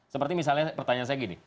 seperti misalnya pertanyaan saya gini